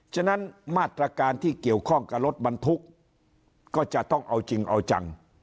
ฉะนั้นมาตรการที่เกี่ยวข้องกับรถบรรทุกก็จะต้องเอาจริงเอาจัง